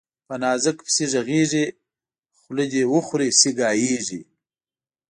په نازک پسي ږغېږي، خولې ده وخوري سي ګايږي